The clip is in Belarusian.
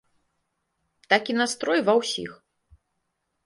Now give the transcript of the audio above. Такі настрой ва ўсіх.